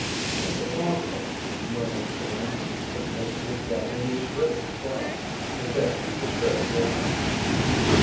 "It's awful!" murmured Sam. His face was white and he was ready to cry, for Dick was very dear to him.